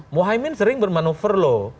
mohaimin sering bermanuver loh